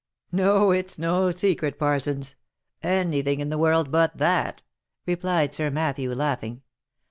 " No, it's no secret, Parsons — any thing in the world but that," replied Sir Matthew, laughing.